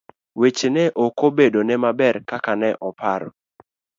Weche ne okobedo ne maber kaka ne oparo.